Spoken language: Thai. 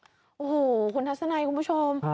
โอ้โหคุณทัศนัยคุณผู้ชม